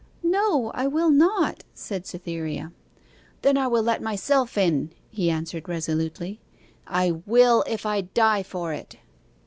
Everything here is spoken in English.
'No I will not,' said Cytherea. 'Then I will let myself in!' he answered resolutely. 'I will, if I die for it!